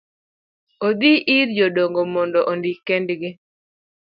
odhi ir jodongo mondo ondik kendgi.